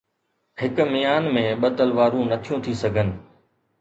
هڪ ميان ۾ ٻه تلوارون نٿيون ٿي سگهن